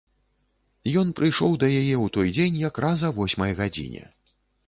Ён прыйшоў да яе ў той дзень якраз а восьмай гадзіне.